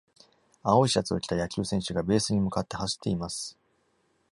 青いシャツを着た野球選手がベースに向かって走っています。